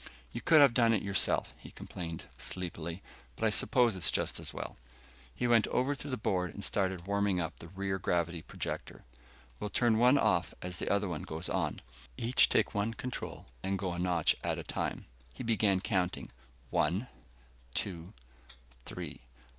"You could have done it yourself," he complained, sleepily, "but I suppose it's just as well." He went over to the board and started warming up the rear gravity projector. "We'll turn one off as the other goes on. Each take one control, and go a notch at a time." He began counting, "One, two, three